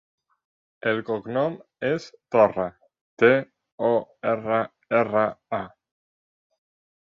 El cognom és Torra: te, o, erra, erra, a.